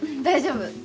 大丈夫。